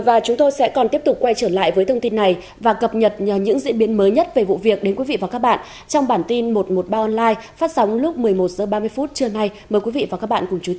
và chúng tôi sẽ còn tiếp tục quay trở lại với thông tin này và cập nhật những diễn biến mới nhất về vụ việc đến quý vị và các bạn trong bản tin một trăm một mươi ba online phát sóng lúc một mươi một h ba mươi phút trưa nay mời quý vị và các bạn cùng chú